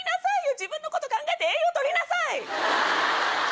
自分のこと考えて栄養取りなさい！